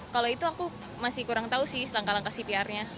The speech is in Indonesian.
kalau itu aku masih kurang tahu sih langkah langkah cpr nya